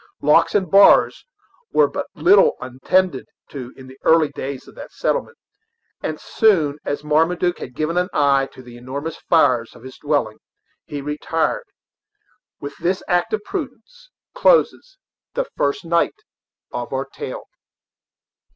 Locks and bars were but little attended to in the early days of that settlement, and so soon as Marmaduke had given an eye to the enormous fires of his dwelling he retired. With this act of prudence closes the first night of our tale.